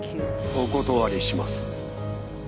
お断りします。